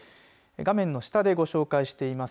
画面の下で、ご紹介しています